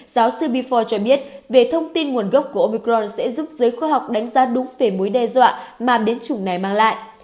giáo sư bi four cho biết về thông tin nguồn gốc của omicron sẽ giúp giới khoa học đánh giá đúng về mối đe dọa mà biến chủng này mang lại